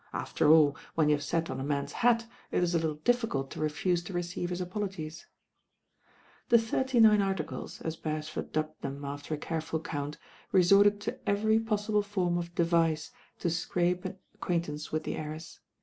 After all when you have sat on a man's hat. It IS a httle difficult to refuse to receive his apologies I The Thirty Nine Articles, as Beresford dubbed them a.ter a careful count, reported to every pos sible form of device to scrape an acquaintance with the heiress.